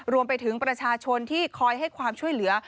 รวมไปถึงประชาชนที่คอยให้ความช่วยเหลือ